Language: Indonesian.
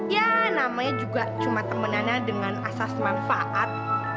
ya namanya juga cuma temenannya dengan asas manfaat